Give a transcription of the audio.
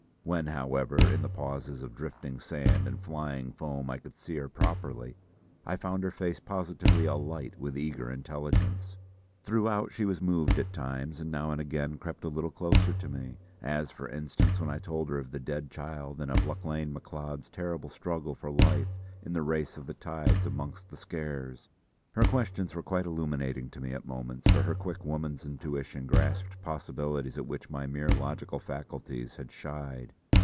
When, however, in the pauses of drifting sand and flying foam I could see her properly, I found her face positively alight with eager intelligence. Throughout, she was moved at times, and now and again crept a little closer to me; as for instance when I told her of the dead child and of Lauchlane Macleod's terrible struggle for life in the race of the tide amongst the Skares. Her questions were quite illuminating to me at moments, for her quick woman's intuition grasped possibilities at which my mere logical faculties had shied.